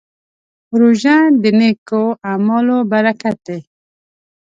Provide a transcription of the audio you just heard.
روژه د نېکو اعمالو برکت دی.